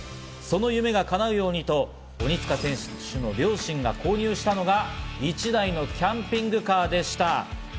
その夢が叶うようにと、鬼塚選手の両親が購入したのが１台のキャンピングカーでした。